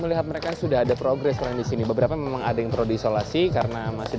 melihat mereka sudah ada progres lain di sini beberapa memang ada yang perlu diisolasi karena masih